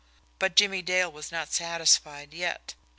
But Jimmie Dale was not satisfied yet.